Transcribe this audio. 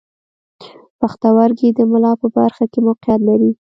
پښتورګي د ملا په برخه کې موقعیت لري.